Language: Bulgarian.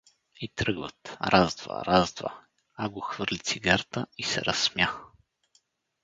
И тръгват: раз, два, раз два… Аго хвърли цигарата и се разсмя.